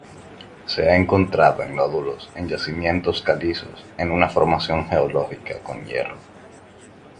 Se ha encontrado en nódulos en yacimientos calizos en una formación geológica con hierro.